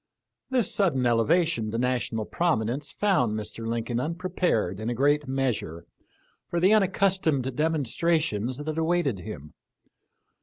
This sudden ele vation to national prominence found Mr. Lincoln unprepared in a great measure for the unaccus tomed demonstrations that awaited him.